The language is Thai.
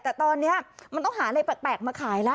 แต่ตอนนี้มันต้องหาอะไรแปลกมาขายแล้ว